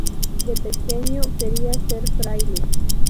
De pequeño quería ser fraile.